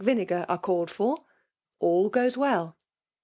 SO vinegar are called for> all goes well.